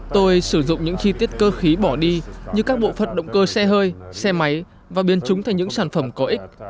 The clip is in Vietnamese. tôi sử dụng những chi tiết cơ khí bỏ đi như các bộ phận động cơ xe hơi xe máy và biến chúng thành những sản phẩm có ích